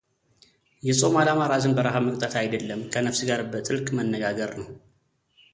የጾም ዓላማ ራስን በረሃብ መቅጣት አይደለም ከነፍስ ጋር በጥልቅ መነጋገር ነው።